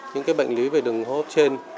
những cái bệnh lý về đường hốp trên